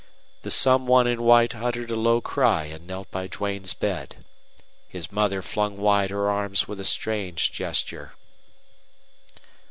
The some one in white uttered a low cry and knelt by Duane's bed. His mother flung wide her arms with a strange gesture.